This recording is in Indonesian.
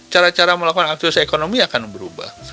cara cara melakukan aktivitas ekonomi akan berubah